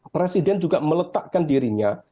presiden juga meletakkan dirinya